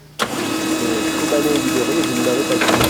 mais, Kobané est libérée et vous ne m'avez pas dit.